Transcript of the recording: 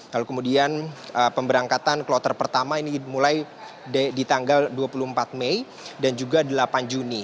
lalu kemudian pemberangkatan kloter pertama ini dimulai di tanggal dua puluh empat mei dan juga delapan juni